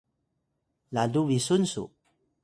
lalu bisun su